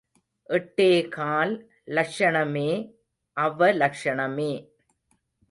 எட்டேகால் லக்ஷணமே அவலக்ஷணமே.